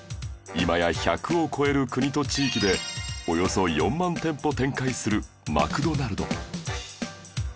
今や１００を超える国と地域でおよそ４万店舗展開するマクドナルド